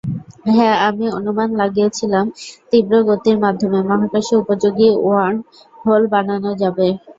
হ্যাঁ, আমি অনুমান লাগিয়েছিলাম তীব্র গতির মাধ্যমে, মহাকাশে উপযোগী ওয়ার্মহোল বানানো যাবে।